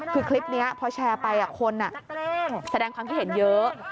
คือคลิปนี้พอแชร์ไปคนแสดงความคิดเห็นเยอะ